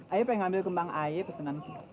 ayah pengen ngambil ke bang ayah pesenan